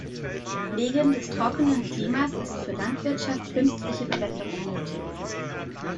Wegen des trockenen Klimas ist für Landwirtschaft künstliche Bewässerung nötig.